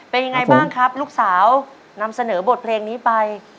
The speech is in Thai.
เป็นยังไงบ้างครับลูกสาวนำเสนอบทเพลงนี้ไป